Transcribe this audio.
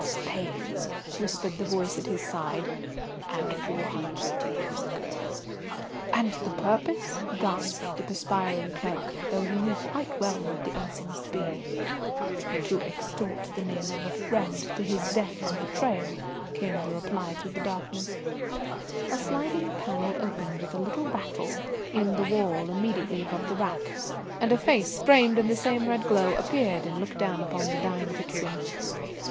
"Spain!" whispered the voice at his side, "and four hundred years ago." "And the purpose?" gasped the perspiring clerk, though he knew quite well what the answer must be. "To extort the name of a friend, to his death and betrayal," came the reply through the darkness. A sliding panel opened with a little rattle in the wall immediately above the rack, and a face, framed in the same red glow, appeared and looked down upon the dying victim.